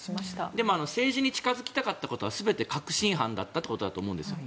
でも政治に近付きたかったことは全て確信犯だったということだと思うんですよ。